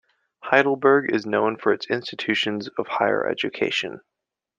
Heidelberg is known for its institutions of higher education.